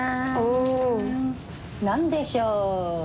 おお。何でしょう？